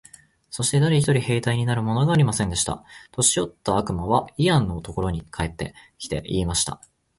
そして誰一人兵隊になるものがありませんでした。年よった悪魔はイワンのところへ帰って来て、言いました。